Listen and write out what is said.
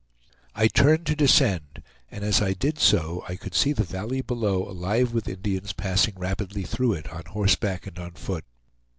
I turned to descend, and as I did so I could see the valley below alive with Indians passing rapidly through it, on horseback and on foot.